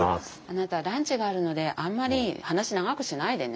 あなたランチがあるのであんまり話長くしないでね。